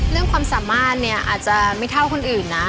ความสามารถเนี่ยอาจจะไม่เท่าคนอื่นนะ